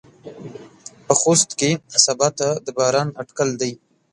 په خوست کې سباته د باران اټکل دى.